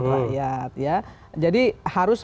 rakyat jadi harus